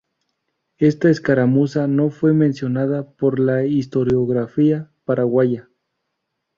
Esta escaramuza no fue mencionada por la historiografía paraguaya.